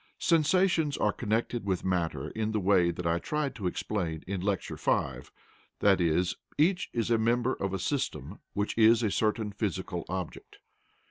Sensations are connected with matter in the way that I tried to explain in Lecture V, i.e. each is a member of a system which is a certain physical object.